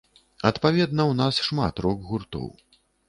Адпаведна, у нас шмат рок-гуртоў.